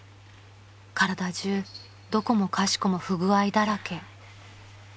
［体中どこもかしこも不具合だらけ］